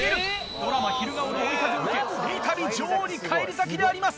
ドラマ『昼顔』の追い風を受け三度女王に返り咲きであります！